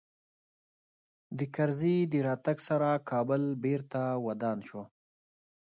د کرزي د راتګ سره کابل بېرته ودان سو